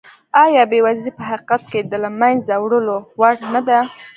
ایا بېوزلي په حقیقت کې د له منځه وړلو وړ نه ده؟